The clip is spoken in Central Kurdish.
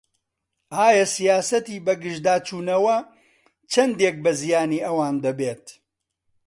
ئایا سیاسەتی بەگژداچوونەوە چەندێک بە زیانی ئەوان دەبێت؟